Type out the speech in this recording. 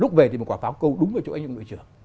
lúc về thì một quả pháo câu đúng với chỗ anh trung đội trưởng